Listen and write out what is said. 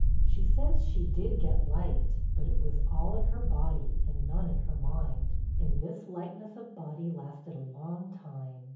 She says she did get light, but it was all in her body and none in her mind and this lightness of body lasted a long time.